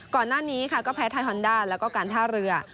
ก่อนหน้านี้ค่ะก็แพ้ไทยฮอนดาแล้วก็การท่าเรือ